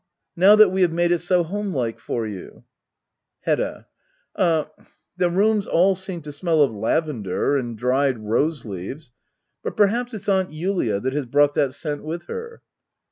Now that we have made it so homelike for you f Hedda. Uh — the rooms all seem to smell of lavender and dried rose leaves. — But perhaps it's Aunt Julia that has brought that scent with her.